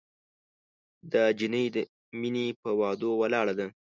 دا جینۍ د مینې پهٔ وعدو ولاړه ده